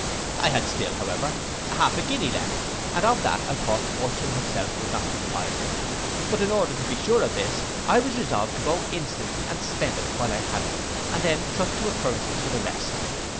I had still, however, half a guinea left, and of that I thought fortune herself should not deprive me: but in order to be sure of this, I was resolved to go instantly and spend it while I had it, and then trust to occurrences for the rest.